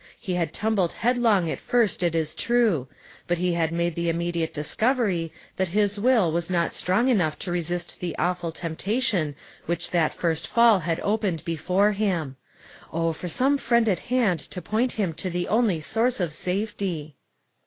He had tumbled headlong at first, it is true, but he had made the imme di.ite discovery that his will was not strong enough to resist the awful temptation which that first fall had opened before him. Oh, for some friend at hand to point him to the only source of safety!